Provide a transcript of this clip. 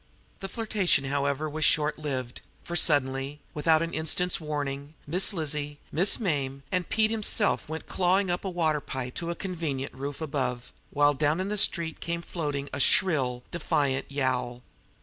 The flirtation, however, was short lived, for suddenly, without an instant's warning, Miss Lizzie, Miss Mame, and Pete himself went clawing up a water pipe to a convenient roof above, while down the street came floating a shrill, defiant yowl.